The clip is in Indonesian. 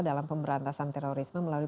dalam pemberantasan terorisme melalui